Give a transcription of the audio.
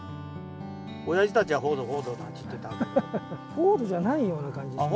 フォードじゃないような感じがします。